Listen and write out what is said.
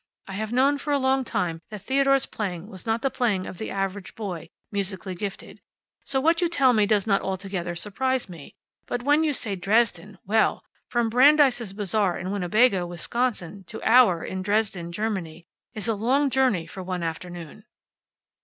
I have known for a long time that Theodore's playing was not the playing of the average boy, musically gifted. So what you tell me does not altogether surprise me. But when you say Dresden well, from Brandeis' Bazaar in Winnebago, Wisconsin, to Auer, in Dresden, Germany, is a long journey for one afternoon."